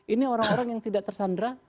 ini orang orang yang tidak tersandra